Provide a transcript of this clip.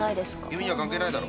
「君には関係ないだろ」